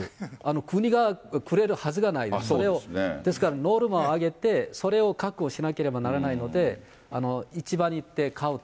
国がくれるはずがない、それをですからノルマを挙げて、それを確保しなければならないので、市場に行って買うと。